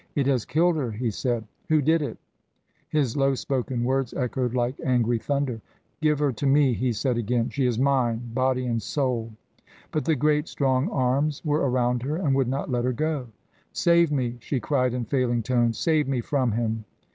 "It has killed her," he said. "Who did it?" His low spoken words echoed like angry thunder. "Give her to me," he said again. "She is mine body and soul." But the great strong arms were around her and would not let her go. "Save me!" she cried in failing tones. "Save me from him!"